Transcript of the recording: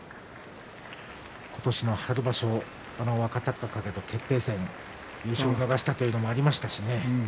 今年の春場所、若隆景との決定戦優勝を逃したというのもありました。